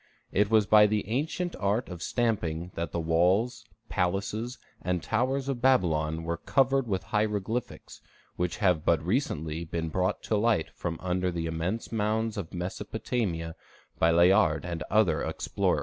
It was by the ancient art of stamping that the walls, palaces, and towers of Babylon were covered with hieroglyphics, which have but recently been brought to light from under the immense mounds of Mesopotamia by Layard and other explorers.